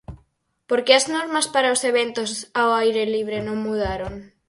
Porque as normas para os eventos ao aire libre non mudaron.